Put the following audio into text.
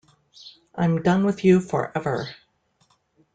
I'm done with you forever.